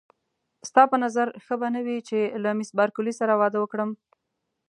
ستا په نظر ښه به نه وي چې له مېس بارکلي سره واده وکړم.